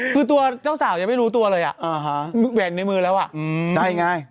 คือตัวเจ้าสาวยังไม่รู้ตัวเลยแหวนในมือแล้วอ่ะได้ไง